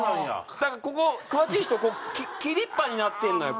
だからここ詳しい人切りっぱになってるのよ。